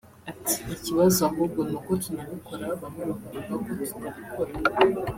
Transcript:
Ati “Ikibazo ahubwo ni uko tunabikora bamwe bakavuga ko tutabikora